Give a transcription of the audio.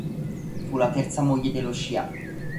Fu la terza moglie dello Scià.